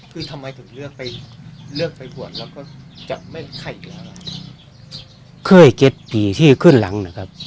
เค้าเก็บปีที่ขึ้นหลัง